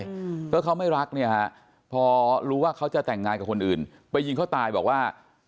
เพราะเขาไม่รักเนี่ยฮะพอรู้ว่าเขาจะแต่งงานกับคนอื่นไปยิงเขาตายบอกว่า